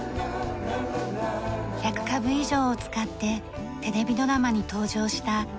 １００株以上を使ってテレビドラマに登場した北条義時ができました。